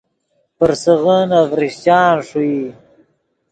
پرسیغے نے ڤرچان ݰوئی